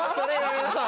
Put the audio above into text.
今皆さん！